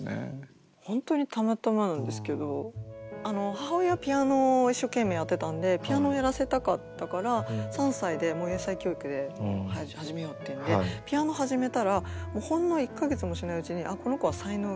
母親はピアノを一生懸命やってたんでピアノをやらせたかったから３歳でもう英才教育で始めようっていうんでピアノ始めたらほんの１か月もしないうちにあっこの子は才能がない。